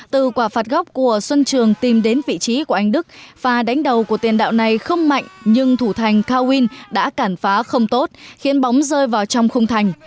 từ quả phạt góc của xuân trường tìm đến vị trí của anh đức và đánh đầu của tiền đạo này không mạnh nhưng thủ thành cao nguyên đã cản phá không tốt khiến bóng rơi vào trong khung thành